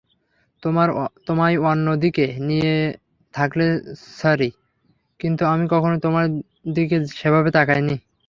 তোমায় অন্য দিকে নিয়ে থাকলে স্যরি, কিন্তু আমি কখনো তোমার দিকে সেভাবে তাকাইনি।